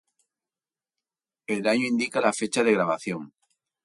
El año indica la fecha de grabación.